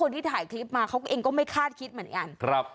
คุณคนที่ถ่ายคลิปมาเค้าเองก็ไม่คาดคิดเหมือนกัน